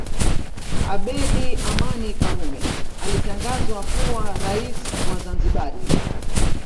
Abedi Amani Karume alitangazwa kuwa rais wa Zanzibari